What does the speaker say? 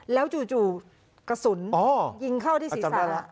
แล้วจู่กระสุนยิงเข้าที่ศรีสาอ๋อจำได้แล้ว